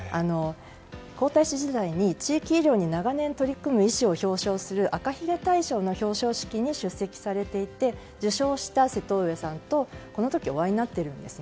皇太子時代に地域医療に長年取り組む医師を表彰する赤ひげ大賞の表彰式に出席されていて受賞した瀬戸上さんとこの時、お会いになっています。